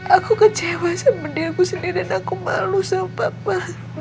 aku kecewa sama diaku sendiri dan aku malu sama papa